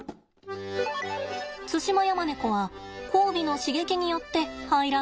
ツシマヤマネコは交尾の刺激によって排卵が起こります。